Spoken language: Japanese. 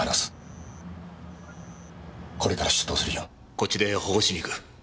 こっちで保護しに行く。